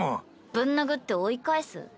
ぶん殴って追い返す？